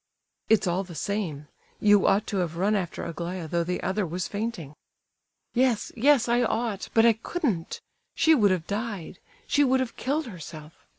"It's all the same; you ought to have run after Aglaya though the other was fainting." "Yes, yes, I ought—but I couldn't! She would have died—she would have killed herself.